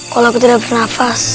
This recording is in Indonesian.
kalau aku tidak bernafas